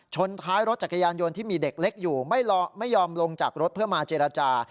ท้ายรถจักรยานยนต์ที่มีเด็กเล็กอยู่ไม่ยอมลงจากรถเพื่อมาเจรจา